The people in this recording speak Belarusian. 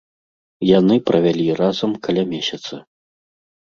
Яны правялі разам каля месяца.